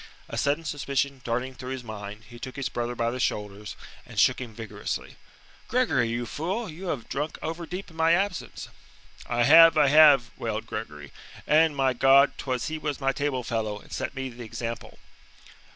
A sudden suspicion darting through his mind, he took his brother by the shoulders and shook him vigorously. "Gregory, you fool, you have drunk overdeep in my absence." "I have, I have," wailed Gregory, "and, my God, 'twas he was my table fellow, and set me the example."